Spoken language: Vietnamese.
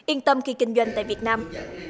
yên tâm khi kinh doanh tại việt nam